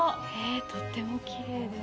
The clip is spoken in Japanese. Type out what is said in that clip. とってもきれいです。